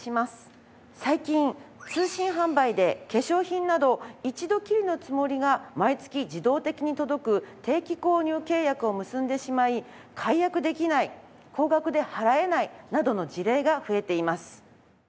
最近通信販売で化粧品など一度きりのつもりが毎月自動的に届く定期購入契約を結んでしまい解約できない高額で払えないなどの事例が増えています。